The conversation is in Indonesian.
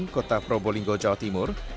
kota probolinggo jawa timur